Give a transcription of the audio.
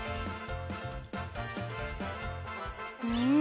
うん。